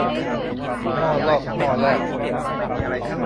ม่อล่อกม่อแล่ก